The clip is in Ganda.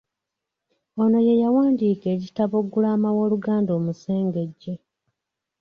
Ono ye yawandiika ekitabo Ggulama w'Oluganda omusengejje